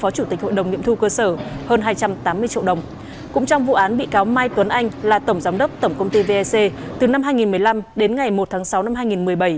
cũng trong vụ án bị cáo mai tuấn anh là tổng giám đốc tổng công ty vec từ năm hai nghìn một mươi năm đến ngày một tháng sáu năm hai nghìn một mươi bảy